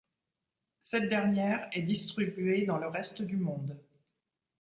Cette dernière est distribuée dans le reste du monde.